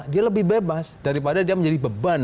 dia lebih bebas daripada dia menjadi beban